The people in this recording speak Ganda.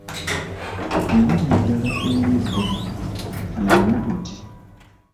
Erinnya eddala ery'eggobe lye bimogoti.